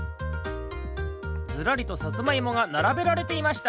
ずらりとさつまいもがならべられていました。